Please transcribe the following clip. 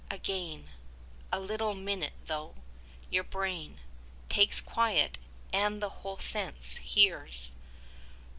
Again A little minute though your brain Takes quiet, and the whole sense hears.